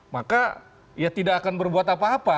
maka ya tidak akan berbuat apa apa